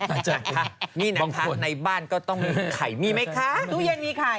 อาจารย์เป็นบางคนนี่แหละค่ะในบ้านก็ต้องมีไข่มีไหมคะ